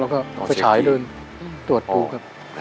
ก็ไปฉายเดินตรวจผู้ครับ